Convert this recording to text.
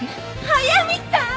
速見さん！